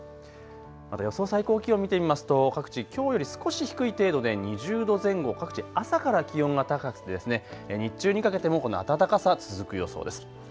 また予想最高気温、見てみますと各地、きょうより少し低い程度で２０度前後、各地、朝から気温が高くて日中にかけてもこの暖かさ続く予想です。